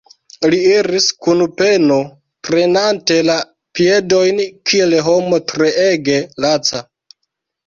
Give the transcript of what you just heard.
Li iris kun peno, trenante la piedojn, kiel homo treege laca.